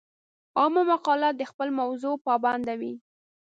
عامه مقاله د خپلې موضوع پابنده وي.